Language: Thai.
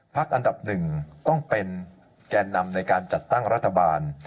อันดับหนึ่งต้องเป็นแก่นำในการจัดตั้งรัฐบาล